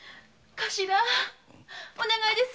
頭お願いです